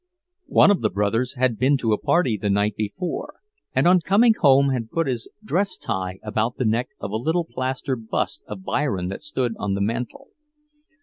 One of the brothers had been to a party the night before, and on coming home had put his dress tie about the neck of a little plaster bust of Byron that stood on the mantel.